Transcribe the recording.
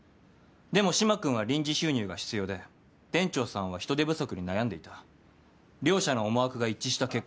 でも嶋君は臨時収入が必要で店長さんは人手不足に悩んでいた。両者の思惑が一致した結果。